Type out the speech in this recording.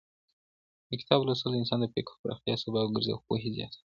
د کتاب لوستل د انسان د فکر پراختيا سبب ګرځي او پوهي زياتوي.